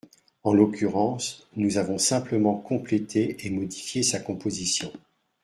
En l’occurrence, nous avons simplement complété et modifié sa composition.